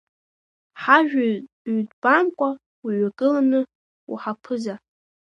Ҳажәа ҩбамтәкәа уҩагыланы, уҳаԥыза!